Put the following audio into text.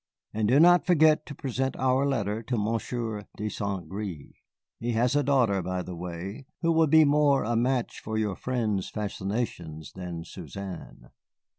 And do not forget to present our letter to Monsieur de Saint Gré. He has a daughter, by the way, who will be more of a match for your friend's fascinations than Suzanne."